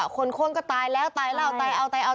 คนโค้นก็ตายแล้วตายแล้วตายเอาตายเอา